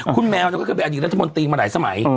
คุณแมววรวัตน์ก็เป็นอาจารย์รัฐมนตรีมาหลายสมัย